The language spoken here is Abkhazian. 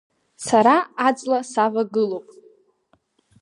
Сара аҵла савагылоуп!